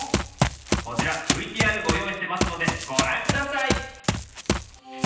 こちらＶＴＲご用意してますのでご覧下さい！